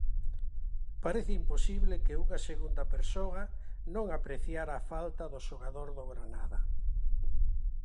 Parece imposible que unha segunda persoa non apreciara a falta do xogador do Granada.